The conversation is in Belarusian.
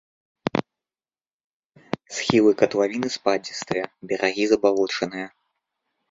Схілы катлавіны спадзістыя, берагі забалочаныя.